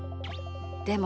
でも。